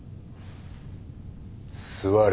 座れ。